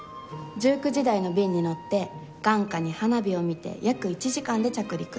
１９時台の便に乗って眼下に花火を見て約１時間で着陸。